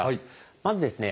まずですね